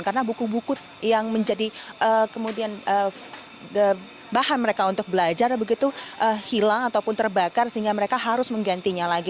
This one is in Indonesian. karena buku buku yang menjadi kemudian bahan mereka untuk belajar begitu hilang ataupun terbakar sehingga mereka harus menggantinya lagi